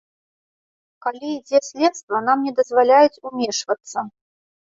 Калі ідзе следства, нам не дазваляюць умешвацца.